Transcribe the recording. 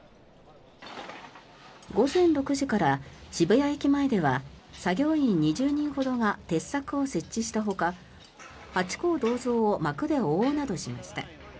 午前６時から渋谷駅前では作業員２０人ほどが鉄柵を設置したほかハチ公銅像を幕で覆うなどしました。